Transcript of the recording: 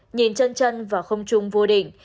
nhìn chân chân vào không trung vô định